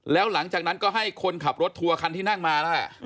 แล้วหลังจากนั้นก็ให้คนขับรถทัวร์คันที่นั่งมานั่นแหละ